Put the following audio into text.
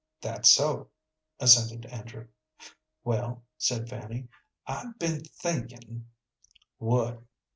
"That's so," assented Andrew. "Well," said Fanny, "I've been thinkin' " "What?"